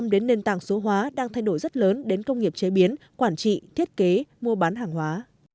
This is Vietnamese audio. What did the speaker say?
hàng số hóa đang thay đổi rất lớn đến công nghiệp chế biến quản trị thiết kế mua bán hàng hóa